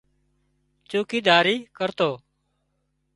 چوڪيداري ڪرتو